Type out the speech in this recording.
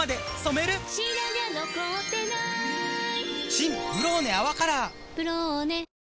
新「ブローネ泡カラー」「ブローネ」